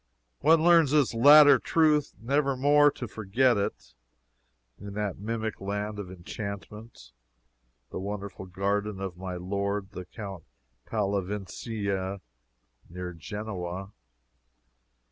One learns this latter truth never more to forget it, in that mimic land of enchantment, the wonderful garden of my lord the Count Pallavicini, near Genoa.